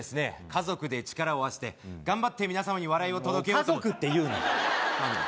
家族で力を合わせて頑張って皆様に笑いを届けようともう家族って言うな何で？